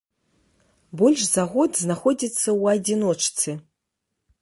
Больш за год знаходзіцца ў адзіночцы.